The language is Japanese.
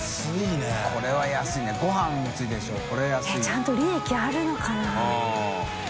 ちゃんと利益あるのかな？